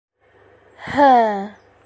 - Һы-ы...